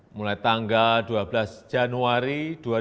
mulai tanggal dua belas januari dua ribu dua puluh